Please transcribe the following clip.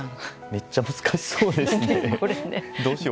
めっちゃ難しそうですね。